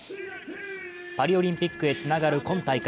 パリオリンピックへつながる今大会。